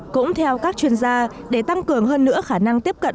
cũng theo các chuyên gia để tăng cường hơn nữa khả năng tiếp cận